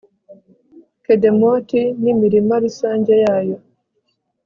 kedemoti n'imirima rusange yayo